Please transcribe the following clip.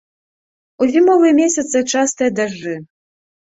У зімовыя месяцы частыя дажджы.